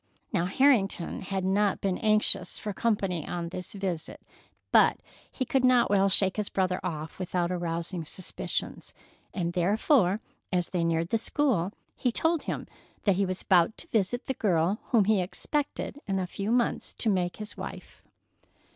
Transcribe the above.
Now Harrington had not been anxious for company on this visit, but he could not well shake his brother off without arousing suspicions, therefore as they neared the school he told him that he was about to visit the girl whom he expected in a few months to make his wife.